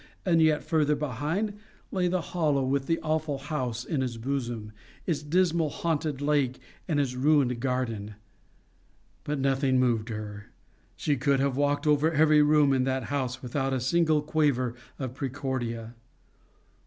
And yet further behind lay the hollow with the awful house in its bosom, its dismal haunted lake and its ruined garden. But nothing moved her. She could have walked over every room in that house without a single quaver of the praecordia.